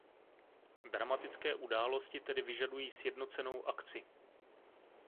Dramatické události tedy vyžadují sjednocenou akci.